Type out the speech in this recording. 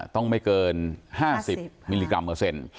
ต้องไม่เกิน๕๐มิลลิกรัมเปอร์เซ็นต์